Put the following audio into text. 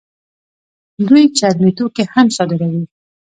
دوی چرمي توکي هم صادروي.